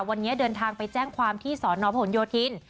วันนี้เดินทางไปแจ้งความที่สอนอพหนโยธิน